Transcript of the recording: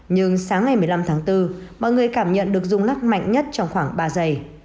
nhưng sáng ngày một mươi năm tháng bốn mọi người cảm nhận được rung lắc mạnh nhất trong khoảng ba giây